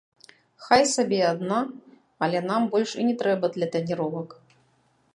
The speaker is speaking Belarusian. Хай сабе і адна, але нам больш і не трэба для трэніровак.